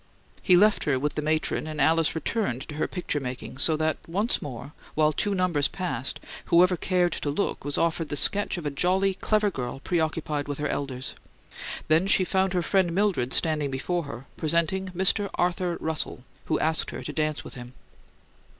He left her with the matron, and Alice returned to her picture making, so that once more, while two numbers passed, whoever cared to look was offered the sketch of a jolly, clever girl preoccupied with her elders. Then she found her friend Mildred standing before her, presenting Mr. Arthur Russell, who asked her to dance with him.